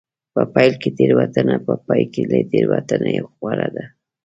په پیل کې تېروتنه په پای کې له تېروتنې غوره ده.